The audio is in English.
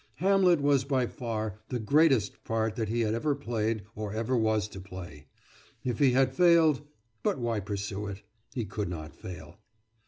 Hamlet was by far the greatest part that he had ever played or ever was to play. If he had failed but why pursue it? He could not fail.